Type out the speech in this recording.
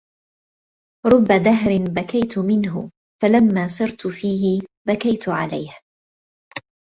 رُبَّ دَهْرٍ بَكَيْتُ مِنْهُ فَلَمَّا صِرْتُ فِيهِ بَكَيْتُ عَلَيْهِ